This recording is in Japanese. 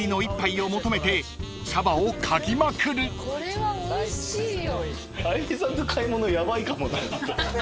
これはおいしいよ。